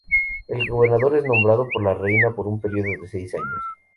El gobernador es nombrado por la Reina por un período de seis años.